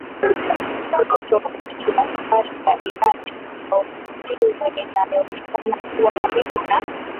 Tovuti ya habari ya Iran Nournews inayoonekana kuwa karibu na